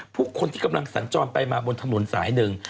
ผู้คนที่กำลังสัญจรไปมาบนถนนสายหนึ่ง